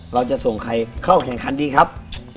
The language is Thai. เราจะส่งใครเข้าแข่งขันดีครับ